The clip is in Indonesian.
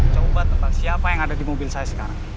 coba tentang siapa yang ada di mobil saya sekarang